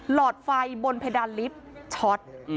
หลอดไฟบนเพดานลิฟต์ช็อต